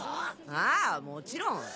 ああもちろん。